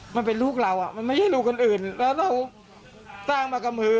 มันเป็นลูกเราอ่ะมันไม่ใช่ลูกคนอื่นแล้วเราสร้างมากับมือ